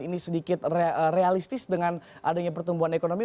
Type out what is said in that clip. ini sedikit realistis dengan adanya pertumbuhan ekonomi